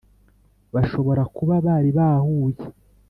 bashobora kuba bari bahuye